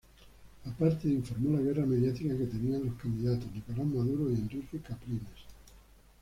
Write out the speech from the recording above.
Aparte, informó la guerra mediática que tenían los candidatos Nicolás Maduro y Henrique Capriles.